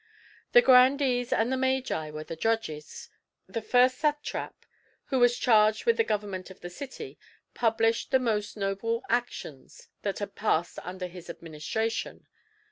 The grandees and the magi were the judges. The first satrap, who was charged with the government of the city, published the most noble actions that had passed under his administration.